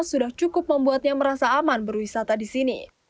sudah cukup membuatnya merasa aman berwisata di sini